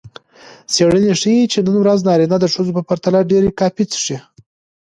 څیړنې ښيي چې نن ورځ نارینه د ښځو په پرتله ډېره کافي څښي.